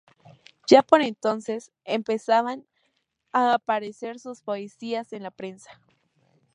Ya por entonces empezaban a aparecer sus poesías en la prensa.